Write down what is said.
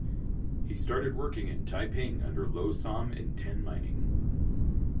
He started working in Taiping under Low Sam in tin mining.